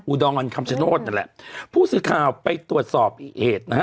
อุดรคำชโนธนั่นแหละผู้สื่อข่าวไปตรวจสอบอีกเหตุนะฮะ